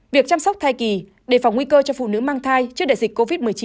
việc chăm sóc thai kỳ đề phòng nguy cơ cho phụ nữ mang thai trước đại dịch covid một mươi chín